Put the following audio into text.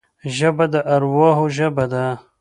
ژبه د ارواحو ژبه ده